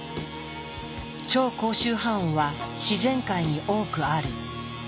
超高周波音は自然界に多くある。